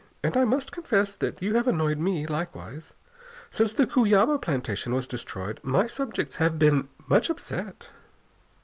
And I must confess that you have annoyed me, likewise. Since the Cuyaba plantation was destroyed my subjects have been much upset.